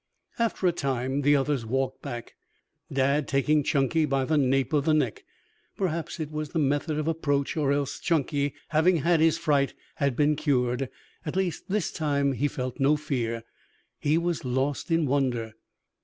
After a time the others walked back, Dad taking Chunky by the nape of the neck. Perhaps it was the method of approach, or else Chunky, having had his fright, had been cured. At least this time he felt no fear. He was lost in wonder.